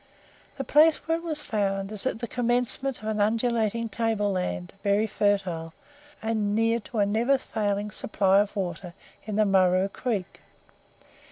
The place where it was found is at the commencement of an undulating table land, very fertile, and near to a never failing supply of water in the Murroo Creek.